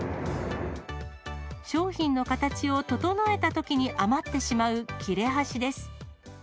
商品の形を整えたときに余ってしまう、切れ端です。